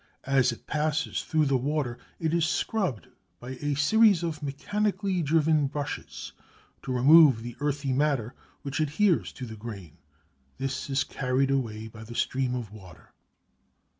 As it passes through the water it is scrubbed by a series of mechanically driven brushes to remove the earthy matter which adheres to the grain. This is carried away by the stream of water.